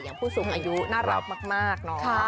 อย่างผู้สูงอายุน่ารักมาก